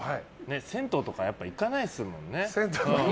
銭湯とか行かないですもんね。